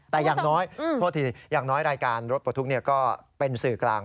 แต่อย่างน้อยโทษทีอย่างน้อยรายการรถปลดทุกข์ก็เป็นสื่อกลาง